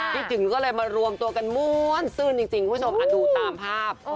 ถึงก็เลยมารวมตัวกันม้วนซื่นจริงคุณผู้ชมดูตามภาพ